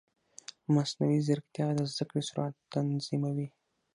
مصنوعي ځیرکتیا د زده کړې سرعت تنظیموي.